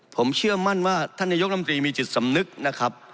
ผมเชื่อมั่นว่าท่านนายกรรมตรีมีจิตสำนึกนะครับ